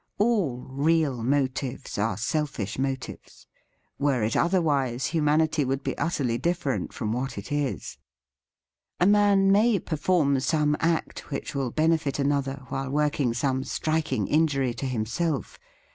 All real motives are selfish motives; were it otherwise humanity would be utterly different from what it is. A man may perform some act which will benefit another while working some striking injury to himself.